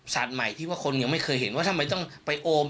ศาสตร์ใหม่ที่คนไม่เคยเห็นว่าทำไมต้องไปอม